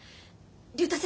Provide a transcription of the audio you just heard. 竜太先生